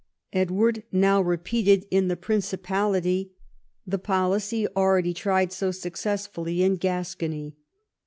Edward now repeated in the Principality the policy already tried so successfully in Gascony.